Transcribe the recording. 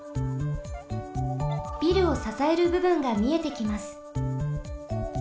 ビルをささえるぶぶんがみえてきます。